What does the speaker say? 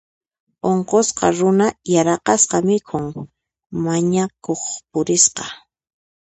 Unqusqa runa yaraqasqa mikhuy mañakuq purisqa.